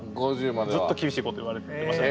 ずっと厳しいこと言われてました。